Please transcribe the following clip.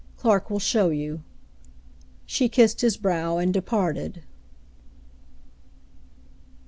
Clark will show you." She kissed his brow and departed.